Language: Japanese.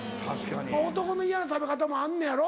男の嫌な食べ方もあんのやろ？